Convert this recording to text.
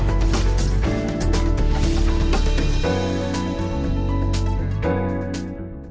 mau tidak mau harus dikonservasi